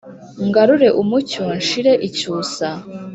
ngarure umucyo nshire icyusa